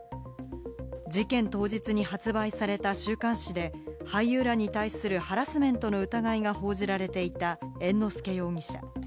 事件当日に発売された週刊誌で俳優らに対するハラスメントの疑いが報じられていた猿之助容疑者。